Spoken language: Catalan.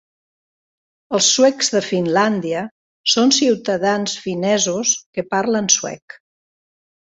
Els Suecs de Finlàndia son ciutadans finesos que parlen suec.